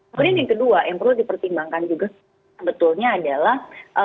kemudian yang kedua yang perlu dipertimbangkan juga sebetulnya adalah